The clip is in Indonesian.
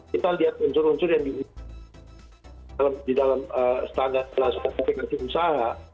kita lihat unsur unsur yang di dalam standar nasionalifikasi usaha